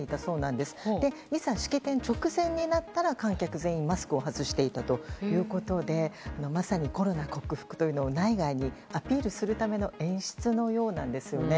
で、いざ式典直前になったら観客全員マスクを外したということでまさにコロナ克服というのを内外にアピールするための演出のようなんですよね。